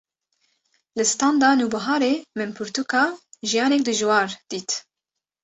li standa Nûbiharê min pirtûka “Jiyanek Dijwar” dît